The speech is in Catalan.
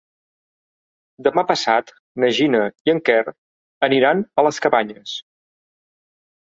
Demà passat na Gina i en Quer aniran a les Cabanyes.